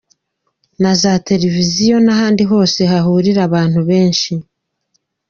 na za televiziyo n’ahandi hose hahurira abantu benshi.